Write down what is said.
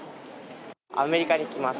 アメリカに行きます。